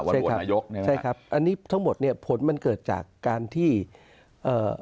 ใช่ครับใช่ครับอันนี้ทั้งหมดเนี้ยผลมันเกิดจากการที่เอ่อ